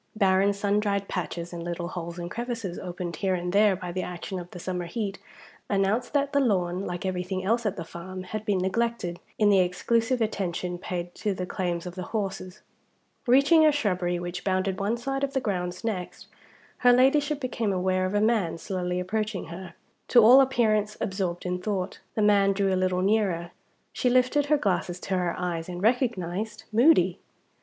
Barren sun dried patches, and little holes and crevices opened here and there by the action of the summer heat, announced that the lawn, like everything else at the farm, had been neglected, in the exclusive attention paid to the claims of the horses. Reaching a shrubbery which bounded one side of the grounds next, her Ladyship became aware of a man slowly approaching her, to all appearance absorbed in thought. The man drew a little nearer. She lifted her glasses to her eyes and recognized Moody.